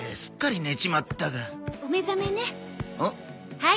はい。